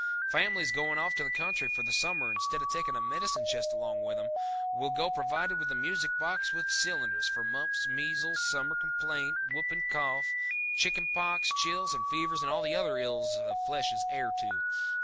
Families going off to the country for the summer instead of taking a medicine chest along with them will go provided with a music box with cylinders for mumps, measles, summer complaint, whooping cough, chicken pox, chills and fever and all the other ills the flesh is heir to.